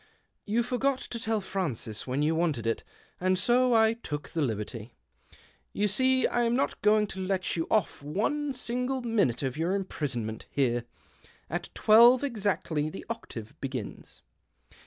" You forgot to tell Francis when you wanted it, and so I took the liberty. You see I am not going to let you off one single minute of your imprisonment bere. At twelve exactly the octave begins."